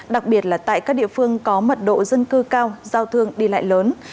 đặc biệt là tại các địa phương có mật độ dân cư cao giao thương đi lại lớn